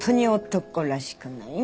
男らしくない。